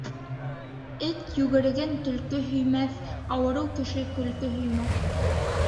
Эт йүгереген төлкө һөймәҫ, ауырыу кеше көлкө һөймәҫ.